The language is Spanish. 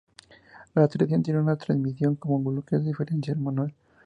La tracción tiene una transmisión con bloqueo de diferencial manual.